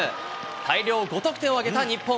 大量５得点を挙げた日本。